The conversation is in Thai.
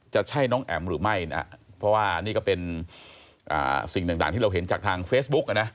จะใช่น้องแอ๋มหรือไม่นะเพราะว่านี่ก็เป็นสิ่งต่างที่เราเห็นจากทางเฟซบุ๊กนะ